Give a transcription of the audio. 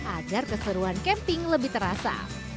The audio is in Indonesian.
agar keseruan camping lebih terasa